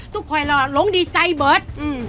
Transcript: ทุกคนเราหลงดีใจเบิร์ด